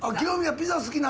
ピザ好きなんだ。